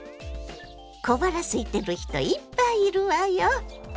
小腹すいてる人いっぱいいるわよ。